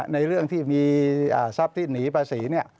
ในเรื่องที่มีทรัพย์ที่หนีภาษี